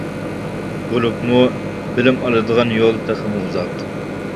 بولۇپمۇ بىلىم ئالىدىغان يول تېخىمۇ ئۇزاق.